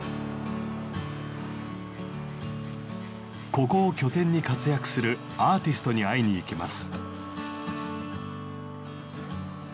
ここを拠点に活躍するアーティストに会いに行きます。